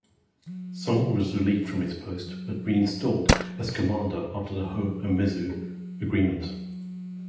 Song was relieved from his post but reinstalled as commander after the Ho-Umezu agreement.